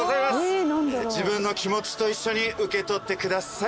自分の気持ちと一緒に受け取ってください。